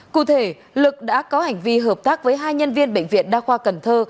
cụ thể lực đã có hành vi hợp tác với hai nhân viên bệnh viện đa khoa cần thơ